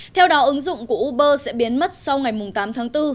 theo đó ứng dụng của uber sẽ biến mất sau ngày tám tháng bốn